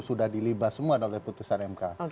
sudah dilibat semua oleh putusan mk